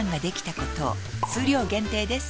数量限定です